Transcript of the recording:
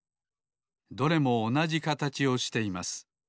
どれもおなじかたちをしています。